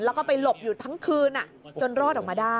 แล้วก็ไปหลบอยู่ทั้งคืนจนรอดออกมาได้